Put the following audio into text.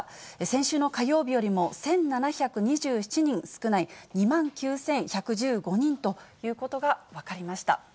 先週の火曜日よりも１７２７人少ない２万９１１５人ということが分かりました。